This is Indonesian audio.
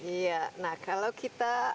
iya nah kalau kita